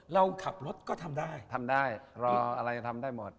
เราขับรถก็ทำได้ทำได้รออะไรทำได้หมด